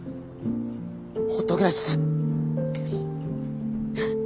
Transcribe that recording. ほっておけないっす。